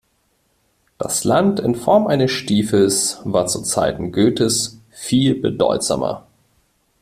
Das Land in Form eines Stiefels war zu Zeiten Goethes viel bedeutsamer.